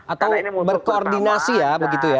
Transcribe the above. atau berkoordinasi ya begitu ya